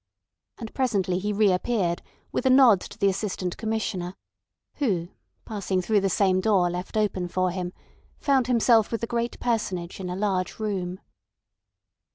And presently he reappeared, with a nod to the Assistant Commissioner, who passing through the same door left open for him, found himself with the great personage in a large room.